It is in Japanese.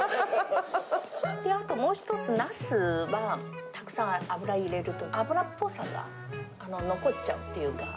あともう一つ、ナスはたくさん油入れると、油っぽさが残っちゃうっていうか。